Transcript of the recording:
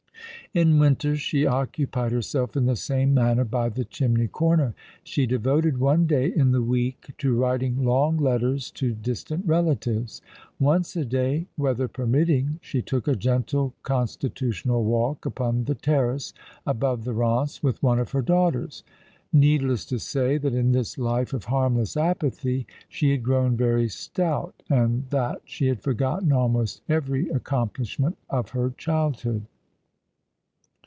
In winter she occupied herself in the same manner by the chimney comer. She devoted one day in the week to writing long letters to distant relatives. Once a day, weather permitting, she took a gentle constitutional walk upon the terrace above the Eance, with one of her daughters. Need less to say that in this life of harmless apathy she had grown *' But the Days drop One by One!^ 25 very stout, and that she had forgotten almost every accom lishment of her girlhood.